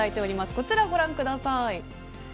こちらをご覧ください。